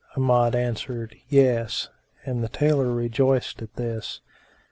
Amjad answered, "Yes"; and the tailor rejoiced at this.